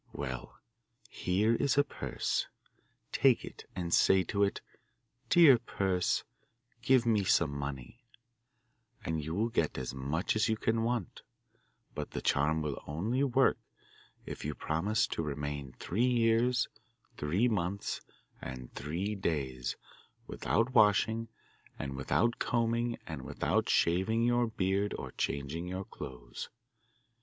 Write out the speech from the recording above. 'Well, here is a purse; take it and say to it, "Dear purse, give me some money," and you will get as much as you can want But the charm will only work if you promise to remain three years, three months, and three days without washing and without combing and without shaving your beard or changing your clothes.